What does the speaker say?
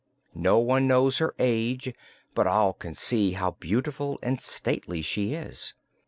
No one knows her age, but all can see how beautiful and stately she is.